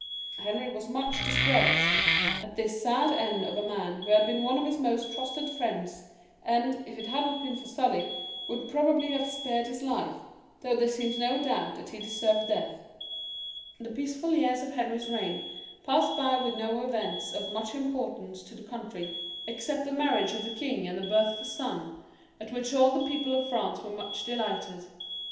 Henry was much <iistressed at this sad end of a man who had been one of his most trusted friends, and if it had not been for Sully, would probably have spared his life, though there seems no doubt that he deserved death. The peaceful years of Henrjr's reign passed by with no events of much importance to the country, except the mar 1"^ ' W" '"•»'■■■'»■ ^i^^T ^w^^p— pit^»Tyiy»»^BP» »i«By»»iT»PWT^^r»i I . I ly XLL] HENRY IV, 313 riage of the king and the birth of a son, at which all the people of France were much delighted.